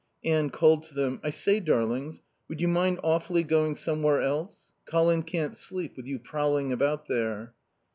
Anne called to them. "I say, darlings, would you mind awfully going somewhere else? Colin can't sleep with you prowling about there."